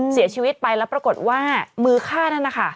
เสียชีวิตไปแล้วปรากฏว่ามือฆ่านั่นนะคะ